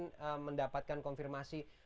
ingin mendapatkan konfirmasi